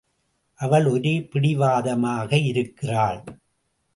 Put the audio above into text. அவள் ஒரே பிடிவாதமாக இருக்கிறாள்.